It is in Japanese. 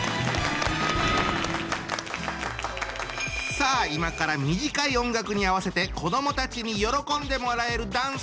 さあ今から短い音楽に合わせて子どもたちに喜んでもらえるダンスを披露していただきます。